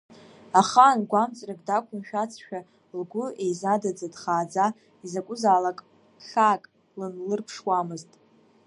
Ахаан гәамҵрак дақәымшәацшәа, лгәы еизадаӡа, дхааӡа, изакәызаалак хьаак лынлырԥшуамызт.